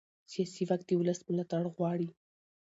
سیاسي واک د ولس ملاتړ غواړي